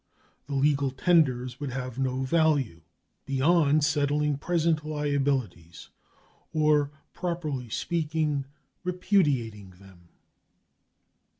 The legal tenders would have no value beyond settling present liabilities, or, properly speaking, repudiating them.